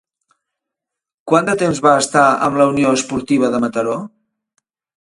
Quant de temps va estar amb la Unió Esportiva de Mataró?